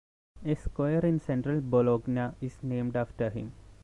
A square in central Bologna is named after him.